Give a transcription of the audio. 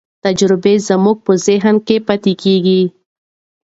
تجربې زموږ په ذهن کې پاتې کېږي.